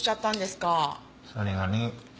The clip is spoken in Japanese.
それがね